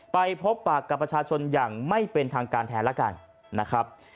ไปพบปากกับประชาชนอย่างไม่เป็นทางการแทนแล้วกันนะครับ